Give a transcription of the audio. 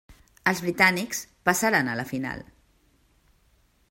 Els britànics passaren a la final.